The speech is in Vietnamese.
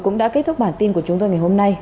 cũng đã kết thúc bản tin của chúng tôi ngày hôm nay